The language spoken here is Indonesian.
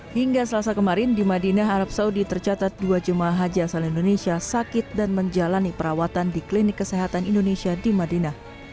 hingga selasa kemarin di madinah arab saudi tercatat dua jemaah haji asal indonesia sakit dan menjalani perawatan di klinik kesehatan indonesia di madinah